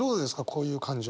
こういう感情。